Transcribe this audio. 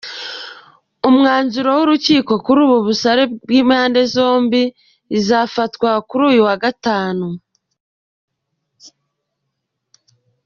Umwanzuro w’urukiko kuri ubu busabe bw’impande zombi uzafatwa kuri uyu wa Gatanu.